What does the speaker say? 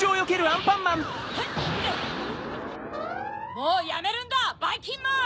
もうやめるんだばいきんまん！